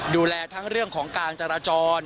ดูแลทั้งเรื่องของการจราจร